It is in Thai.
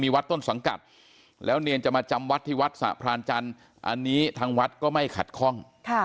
วัดต้นสังกัดแล้วเนรจะมาจำวัดที่วัดสะพรานจันทร์อันนี้ทางวัดก็ไม่ขัดข้อง